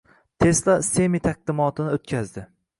Tesla Semi taqdimotini o‘tkazdi.